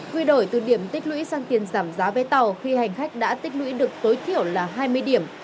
quy đổi từ điểm tích lũy sang tiền giảm giá vé tàu khi hành khách đã tích lũy được tối thiểu là hai mươi điểm